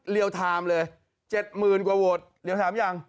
เรียลไทม์เลย๗๐๐๐๐กว่าโวทเรียลไทม์หรือยัง